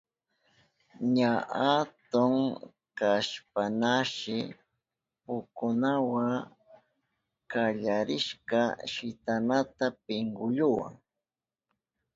Ña atun kashpañashi pukunawa kallarishkaña shitanata pinkulluwa.